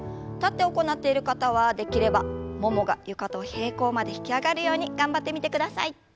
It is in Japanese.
立って行っている方はできればももが床と平行まで引き上がるように頑張ってみてください。